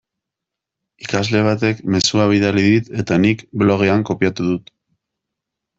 Ikasle batek mezua bidali dit eta nik blogean kopiatu dut.